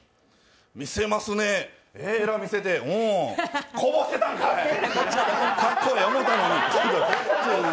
見せますね、えらい見せてこぼしてたんかい、かっこええ思うてたのに。